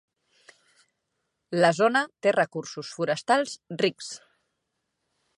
La zona té recursos forestals rics.